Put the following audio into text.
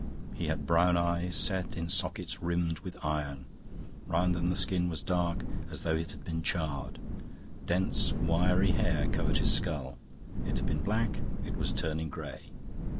He had brown eyes, set in sockets rimmed with iron; round them the skin was dark, as though it had been charred. Dense wiry hair covered his skull; it had been black, it was turning grey.